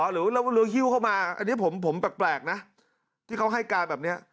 หรือฮิ้วเข้ามาอันนี้ผมแปลกนะที่เขาให้การแบบนี้